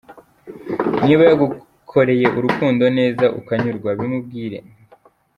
Niba yagukoreye urukundo neza ukanyurwa, bimubwire.